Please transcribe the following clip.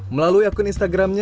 melalui akun instagramnya